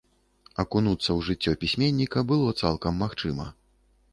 Акунуцца ў жыццё пісьменніка было цалкам магчыма.